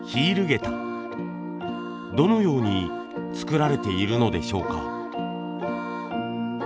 どのように作られているのでしょうか。